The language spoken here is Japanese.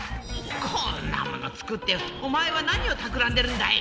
こんなもの作っておまえは何をたくらんでるんだい？